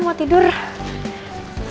kok jadi disuruh milih